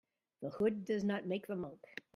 The hood does not make the monk.